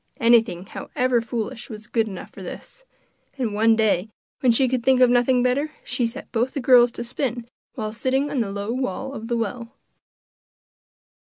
Anything, however foolish, was good enough for this, and one day, when she could think of nothing better, she set both the girls to spin while sitting on the low wall of the well.